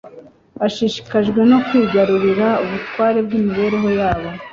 ashishikajwe no kwigarurira ubutware bw’imibereho yabo